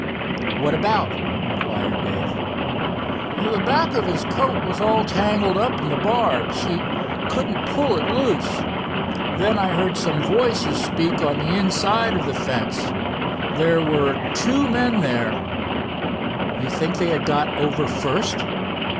"What about?" inquired Dave. "The back of his coat was all tangled up in the barbs. He couldn't pull it loose. Then I heard some voices speak on the inside of the fence. There were two men there." "You think they had got over first?"